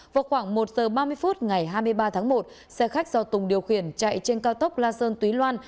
vào khoảng một giờ ba mươi phút ngày hai mươi ba tháng một xe khách do tùng điều khiển chạy trên cao tốc la sơn túy loan